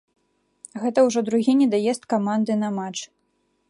Гэта ўжо другі недаезд каманды на матч.